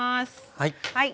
はい。